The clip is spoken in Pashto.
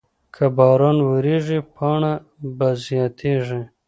که باران وورېږي پاڼه به تازه شي.